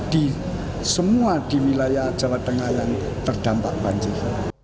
di semua di wilayah jawa tengah yang terdampak banjir